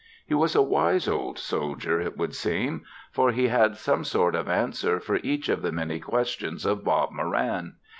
He was a wise old soldier, it would seem, for he had some sort of answer for each of the many questions of Bob Moran.